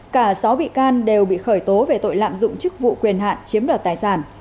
cả sáu bị can đều bị khởi tố về tội lạm dụng chức vụ quyền hạn chiếm đoạt tài sản